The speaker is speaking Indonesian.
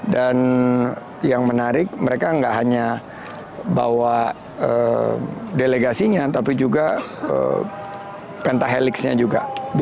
dan yang menarik mereka nggak hanya bawa delegasinya tapi juga pentahelixnya juga